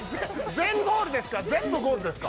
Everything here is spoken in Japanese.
全ゴールですか？！